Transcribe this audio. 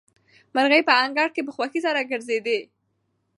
مرغۍ په انګړ کې په خوښۍ سره ګرځېدې.